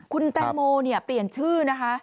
คุณแตงโมเนี่ยเปลี่ยนชื่อนะคะ